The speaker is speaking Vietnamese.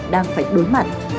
đang phải đối mặt